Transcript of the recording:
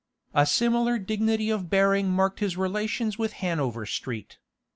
A similar dignity of bearing marked his relations with Hanover Street.